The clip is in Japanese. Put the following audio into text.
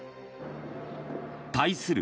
対する